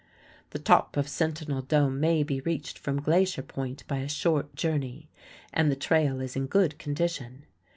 The top of Sentinel Dome may be reached from Glacier Point by a short journey, and the trail is in good condition.